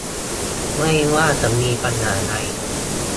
ไม่ว่าจะมีปัญหาใด